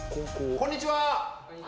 こんにちは！